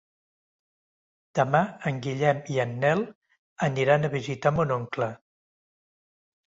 Demà en Guillem i en Nel aniran a visitar mon oncle.